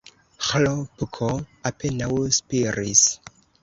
Ĥlopko apenaŭ spiris.